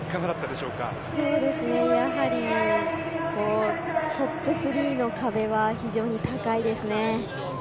そうですね、やはり、トップ３の壁は非常に高いですね。